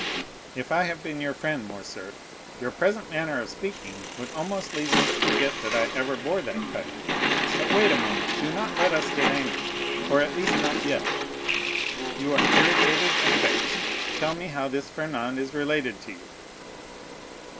"If I have been your friend, Morcerf, your present manner of speaking would almost lead me to forget that I ever bore that title. But wait a moment, do not let us get angry, or at least not yet. You are irritated and vexed—tell me how this Fernand is related to you?"